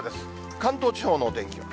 関東地方のお天気。